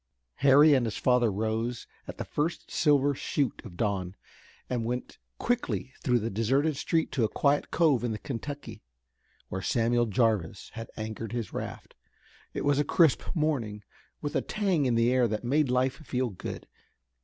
Harry and his father rose at the first silver shoot of dawn, and went quickly through the deserted street to a quiet cove in the Kentucky, where Samuel Jarvis had anchored his raft. It was a crisp morning, with a tang in the air that made life feel good.